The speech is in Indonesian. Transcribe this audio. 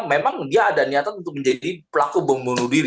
memang dia ada niatan untuk menjadi pelaku pembunuh diri